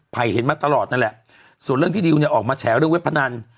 เห็นมาตลอดนั่นแหละส่วนเรื่องที่ดิวเนี่ยออกมาแฉเรื่องเว็บพนัน